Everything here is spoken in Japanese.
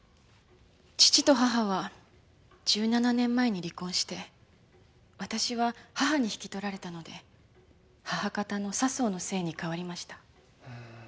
父と母は１７年前に離婚して私は母に引き取られたので母方の佐相の姓に変わりました。